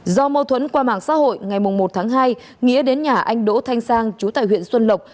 do mâu thuẫn qua mạng xã hội ngày một tháng hai nghĩa đến nhà anh đỗ thanh sang chú tại huyện xuân lộc